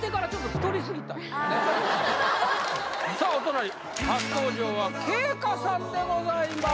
さあお隣初登場は圭叶さんでございます